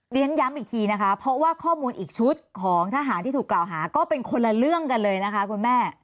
เรียนย้ำอีกทีนะคะเพราะว่าข้อมูลอีกชุดของทหารที่ถูกกล่าวหาก็เป็นคนละเรื่องกันเลยนะคะคุณแม่